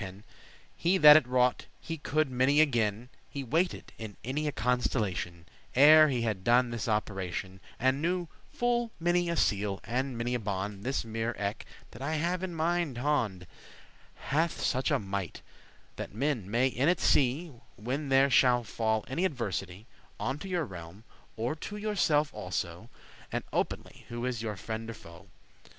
*twisting He that it wrought, he coude* many a gin; *knew contrivance <10> He waited* in any a constellation, *observed Ere he had done this operation, And knew full many a seal <11> and many a bond This mirror eke, that I have in mine hond, Hath such a might, that men may in it see When there shall fall any adversity Unto your realm, or to yourself also, And openly who is your friend or foe.